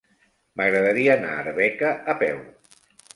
M'agradaria anar a Arbeca a peu.